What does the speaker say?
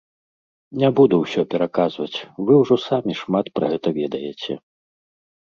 Не буду ўсё пераказваць, вы ўжо самі шмат пра гэта ведаеце.